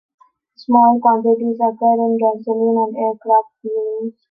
Small quantities occur in gasoline and aircraft fuels.